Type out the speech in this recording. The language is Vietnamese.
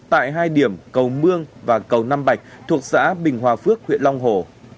tại hai điểm cầu mương và cầu nam bạch thuộc xã bình hòa phước huyện long hồ